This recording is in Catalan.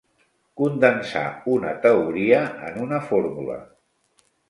Condensar una teoria en una fórmula.